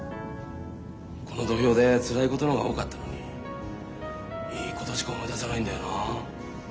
この土俵でつらいことの方が多かったのにいいことしか思い出さないんだよな。